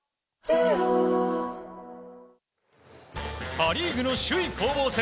パ・リーグの首位攻防戦。